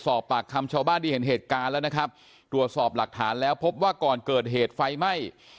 สอบปากคำชาวบ้านที่เห็นเหตุการณ์แล้วนะครับตรวจสอบหลักฐานแล้วพบว่าก่อนเกิดเหตุไฟไหม้